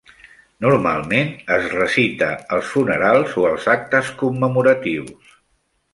Normalment es recita als funerals o als actes commemoratius.